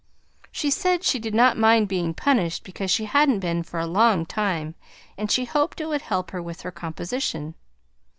She said she did not mind being punished because she hadn't been for a long time, and she hoped it would help her with her composition.